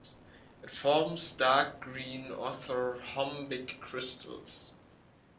It forms dark green orthorhombic crystals.